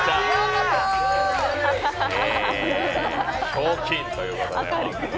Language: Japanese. ひょうきんということで。